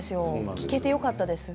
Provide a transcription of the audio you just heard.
聞けてよかったです。